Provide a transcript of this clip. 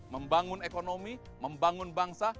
membangun ekonomi membangun bangsa